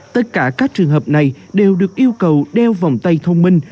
tất cả các trường hợp này đều được yêu cầu đeo vòng tay thông minh